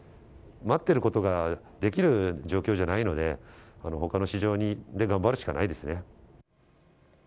待ってることができる状況じゃないので、ほかの市場で頑張るしかないですね。